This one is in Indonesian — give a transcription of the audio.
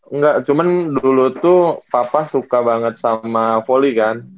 engga cuman dulu tuh papa suka banget sama volley kan